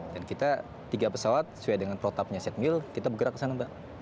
dan kita tiga pesawat sesuai dengan protapnya set mil kita bergerak ke sana